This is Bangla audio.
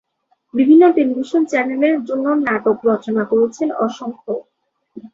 বিভিন্ন টেলিভিশন চ্যানেলের জন্য নাটক রচনা করেছেন অসংখ্য।